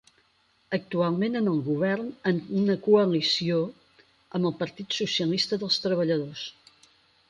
Actualment en el govern en una coalició amb el Partit Socialista dels Treballadors.